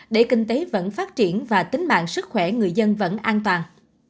để kinh tế vẫn phát triển và tính mạng sức khỏe người dân vẫn an toàn